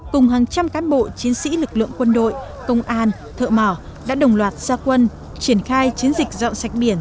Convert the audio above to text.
cùng hàng trăm cán bộ chiến sĩ lực lượng quân đội công an thợ mỏ đã đồng loạt gia quân triển khai chiến dịch dọn sạch biển